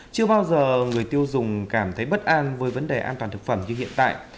chưa bao giờ người tiêu dùng cảm thấy bất an với vấn đề an toàn thực phẩm như hiện tại